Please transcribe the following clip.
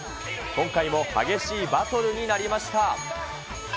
今回も激しいバトルになりました。